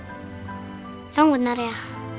emang bener ya